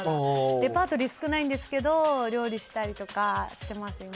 レパートリー少ないんですけど、料理したりとかしてます、今。